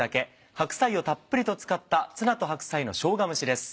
白菜をたっぷりと使った「ツナと白菜のしょうが蒸し」です。